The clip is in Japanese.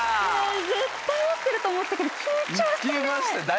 絶対合ってると思ったけど緊張するね。